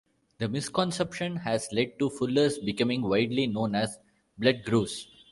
This misconception has led to fullers becoming widely known as "blood grooves".